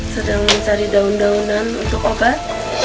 sedang mencari daun daunan untuk obat